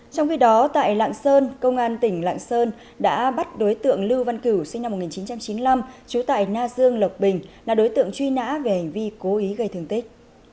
trong khi đó tại lạng sơn công an tỉnh lạng sơn đã bắt đối tượng lưu văn cửu sinh năm một nghìn chín trăm chín mươi năm trú tại na dương lộc bình là đối tượng truy nã về hành vi cố ý gây thương tích